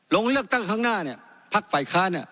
ลงเลือกตั้งข้างหน้าเนี่ยพักฝ่ายค้าเนี่ย